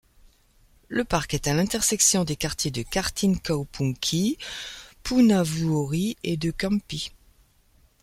Le parc est à l'intersection des quartiers de Kaartinkaupunki, Punavuori et de Kamppi.